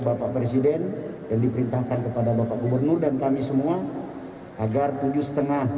bapak presiden dan diperintahkan kepada bapak gubernur dan kami semua agar tujuh lima